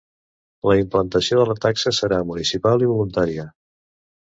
La implantació de la taxa serà municipal i voluntària.